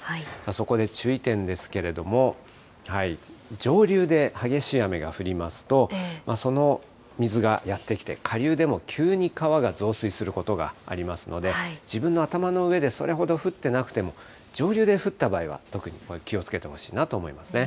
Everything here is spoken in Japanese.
そこで注意点ですけれども、上流で激しい雨が降りますと、その水がやって来て、下流でも急に川が増水することがありますので、自分の頭の上でそれほど降ってなくても、上流で降った場合は、特に気をつけてほしいなと思いますね。